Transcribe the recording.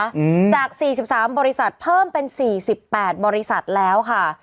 จาก๔๓บริษัทเพิ่มเป็น๔๘บริษัทแล้วค่ะ